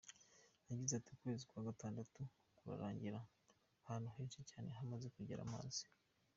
Yagize ati “Ukwezi kwa Gatandatu kurarangira ahantu henshi cyane hamaze kugera amazi.